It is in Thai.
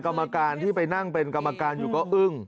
กรรมการที่ไปนั่งเป็นกรรมการอยู่ก็อึ้ง